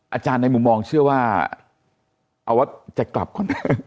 อาจารย์ในมุมมองเชื่อว่าเอาวัดจะกลับก่อน